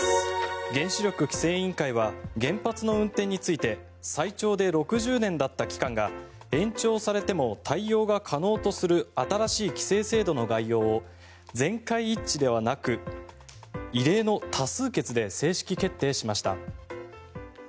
原子力規制委員会は原発の運転について最長で６０年だった期間が延長されても対応が可能とする新しい規制制度の概要を全会一致ではなく異例の多数決で正式決定しました。